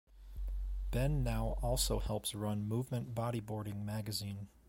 Ben now also helps run "Movement Bodyboarding" magazine.